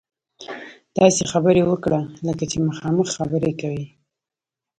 داسې خبرې وکړئ لکه چې مخامخ خبرې کوئ.